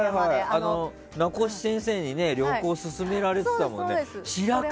名越先生に旅行を勧められてたもんね。